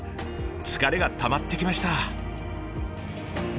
疲れがたまってきました。